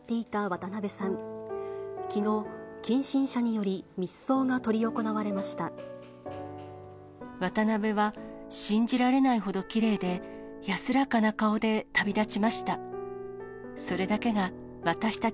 渡辺は信じられないほどきれいで、安らかな顔で旅立ちました。